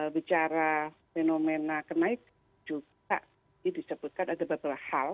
bicara fenomena kenaikan juga disebutkan ada beberapa hal